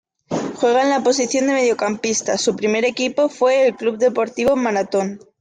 Juega en la posición de mediocampista, su primer equipo fue el Club Deportivo Marathón.